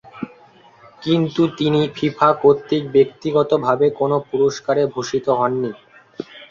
কিন্তু তিনি ফিফা কর্তৃক ব্যক্তিগতভাবে কোন পুরস্কারে ভূষিত হননি।